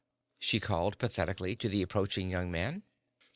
she called pathetically, to the approaching young man.